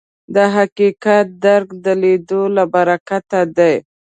د حقیقت درک د لیدلو له برکته دی